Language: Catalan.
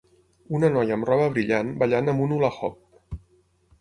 Una noia amb roba brillant ballant amb un hula hoop.